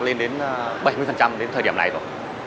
lên đến bảy mươi đến thời điểm này rồi